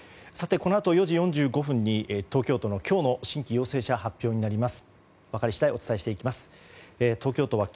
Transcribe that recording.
このあと、４時４５分に東京都の今日の新規陽性者発表になります。